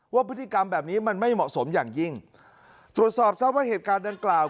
ว่าพฤติกรรมแบบนี้มันไม่เหมาะสมอย่างยิ่งตรวจสอบทรัพย์ว่าเหตุการณ์ดังกล่าว